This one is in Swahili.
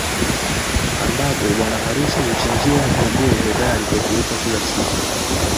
Ambapo bwana harusi huchinjiwa jogoo hodari wa kuwika kila siku